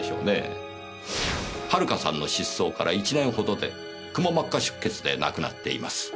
遥さんの失踪から１年ほどでくも膜下出血で亡くなっています。